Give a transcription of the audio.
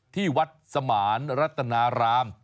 ที่วัดสมานรัตนาราม